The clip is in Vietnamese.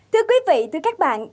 thưa quý vị thưa các bạn